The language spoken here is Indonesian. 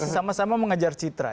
sama sama mengajar citra